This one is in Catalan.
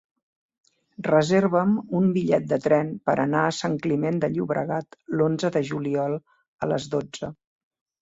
Reserva'm un bitllet de tren per anar a Sant Climent de Llobregat l'onze de juliol a les dotze.